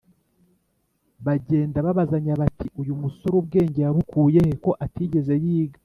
Bagenda babazanya bati, Uyu musore ubwenge yabukuye he, ko atigeze yiga